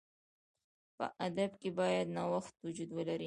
په ادب کښي باید نوښت وجود ولري.